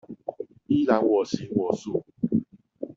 依然我行我素